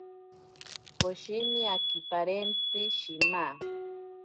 Poshini akiparentsi shima.